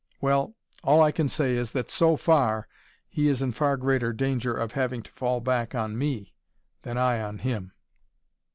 Well, all I can say is, that SO FAR he is in far greater danger of having to fall back on me, than I on him."